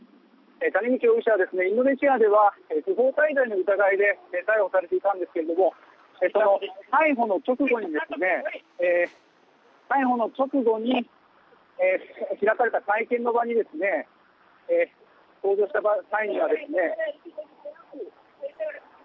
谷口容疑者はインドネシアでは不法滞在の疑いで逮捕されていたんですけれども逮捕の直後に開かれた会見の場に登場した際には。